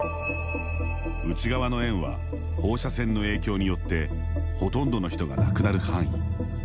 内側の円は放射線の影響によってほとんどの人が亡くなる範囲。